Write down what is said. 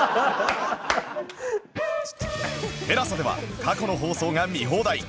ＴＥＬＡＳＡ では過去の放送が見放題